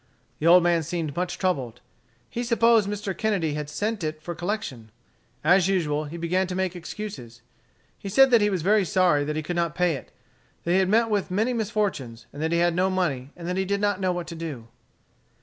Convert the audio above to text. The old man seemed much troubled. He supposed Mr. Kennedy had sent it for collection. As usual, he began to make excuses. He said that he was very sorry that he could not pay it, that he had met with many misfortunes, that he had no money, and that he did not know what to do.